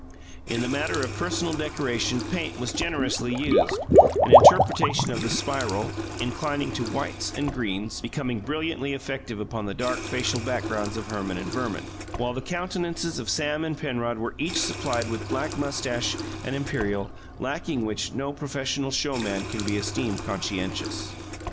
In the matter of personal decoration paint was generously used: an interpretation of the spiral, inclining to whites and greens, becoming brilliantly effective upon the dark facial backgrounds of Herman and Verman; while the countenances of Sam and Penrod were each supplied with the black moustache and imperial, lacking which, no professional showman can be esteemed conscientious.